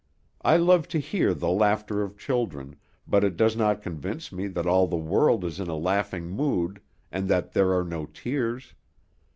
I love to hear the laughter of children, but it does not convince me that all the world is in a laughing mood, and that there are no tears.